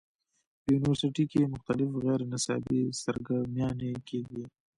پۀ يونيورسټۍ کښې مختلف غېر نصابي سرګرميانې کيږي